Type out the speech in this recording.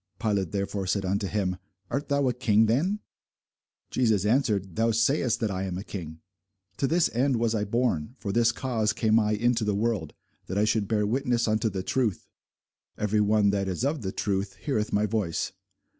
Pilate therefore said unto him, Art thou a king then? Jesus answered, Thou sayest that I am a king. To this end was I born, and for this cause came I into the world, that I should bear witness unto the truth. Every one that is of the truth heareth my voice.